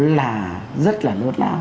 là rất là lớn lao